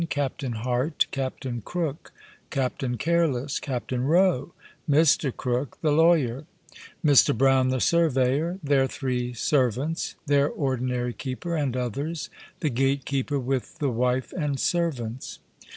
CAPTAIN HART. CAPTAIN CROOK. CAPTAIN CARELESSE. CAPTAIN ROE. Mr. CROOK, the Lawyer. Mr. BROWNE, the Surveyor. Their three Servants. Their Ordinary keeper, and others. The Gatekeeper, with the Wife and Servants.